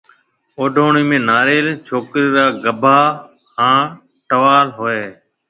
اوڊوڻِي ۾ ناريل، ڇوڪرَي را گھاڀا ھان ٽوال ھوئي ھيََََ